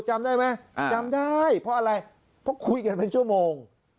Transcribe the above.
จำได้ไหมจำได้เพราะอะไรเพราะคุยกันเป็นชั่วโมง